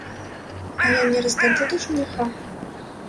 А я не раздабуду жаніха?